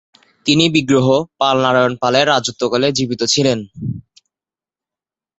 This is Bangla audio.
তিনি বিগ্রহ পাল-নারায়ণ পালের রাজত্বকালে জীবিত ছিলেন।